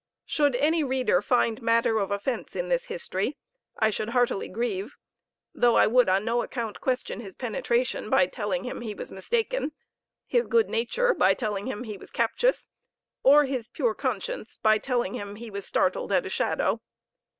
Should any reader find matter of offence in this history, I should heartily grieve, though I would on no account question his penetration by telling him he was mistaken his good nature by telling him he was captious or his pure conscience by telling him he was startled at a shadow.